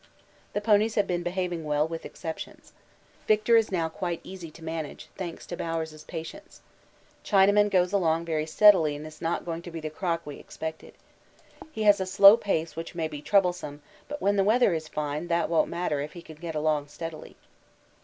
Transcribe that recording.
The ponies have been behaving well, with exceptions. Victor is now quite easy to manage, thanks to Bowers' patience. Chinaman goes along very steadily and is not going to be the crock we expected. He has a slow pace which may be troublesome, but when the weather is fine that won't matter if he can get along steadily.